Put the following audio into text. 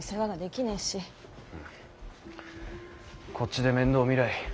こっちで面倒を見らい。